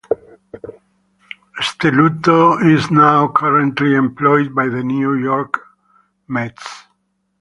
Stelluto is now currently employed by the New York Mets.